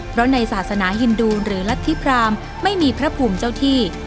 เพราะในศาสนาฮินดูหรือรัฐธิพรามไม่มีพระภูมิเจ้าที่